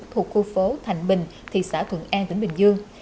thuộc khu phố thạnh bình thị xã thuận an tỉnh bình dương